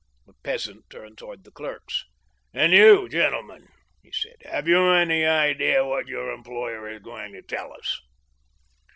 The peasant turned toward the clerks. " And you, gentlemen," 4ie said, have you any idea what your employer is going to tell us